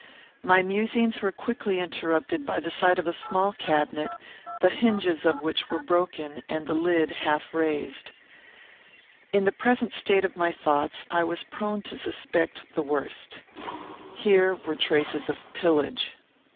My musings were quickly interrupted by the sight of a small cabinet, the hinges of which were broken and the lid half raised. In the present state of my thoughts, I was prone to suspect the worst. Here were traces of pillage.